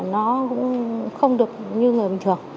nó cũng không được như người bình thường